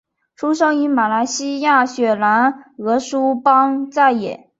出生于马来西亚雪兰莪梳邦再也。